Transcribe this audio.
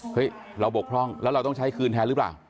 เราบกพร่องแล้วเราต้องใช้คืนแทนหรือเปล่า